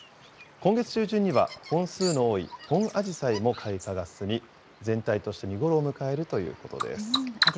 今月中旬には本数の多いホンアジサイも開花が進み、全体として見頃を迎えるということです。